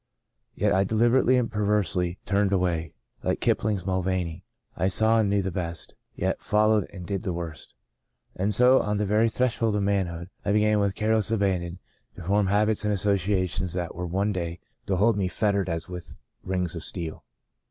Yet I deliberately and perversely turned away. Like Kipling's Mulvaney, I saw and knew the best, yet followed and did the worst. And so, on the very threshold of manhood, I began, with careless abandon, to form habits and associations that were one day to hold me fettered as with rings of steel.